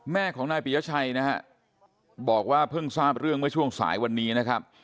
แม่ของนายปียชัยนะฮะบอกว่าเพิ่งทราบเรื่องเมื่อช่วงสายวันนี้นะครับ